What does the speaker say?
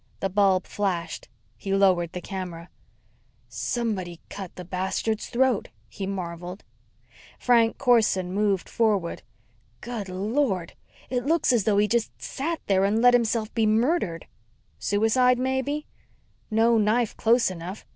The bulb flashed. He lowered the camera. "Somebody cut the bastard's throat!" he marveled. Frank Corson moved forward. "Good lord! It looks as though he just sat there and let himself be murdered." "Suicide maybe?" "No knife close enough.